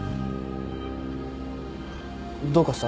どうかした？